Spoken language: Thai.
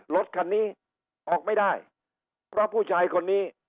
รถคันนี้ออกไม่ได้เพราะผู้ชายคนนี้